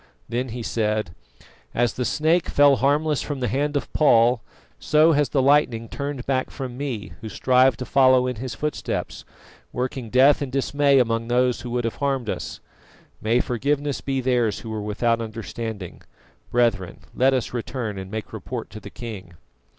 Then he said: "As the snake fell harmless from the hand of Paul, so has the lightning turned back from me, who strive to follow in his footsteps, working death and dismay among those who would have harmed us. May forgiveness be theirs who were without understanding. Brethren, let us return and make report to the king."